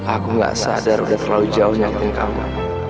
aku nggak sadar udah terlalu jauh nyakitin kamu